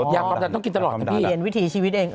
อ๋อยังไม่ต้องกินตลอดแต่พี่เรียนวิธีชีวิตเอง